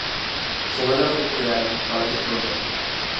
Se encuentra frente al "Palais Royal".